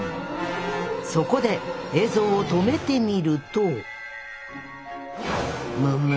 そこで映像を止めてみるとむむ！